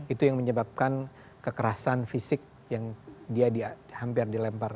itu yang menyebabkan kekerasan fisik yang dia hampir dilempar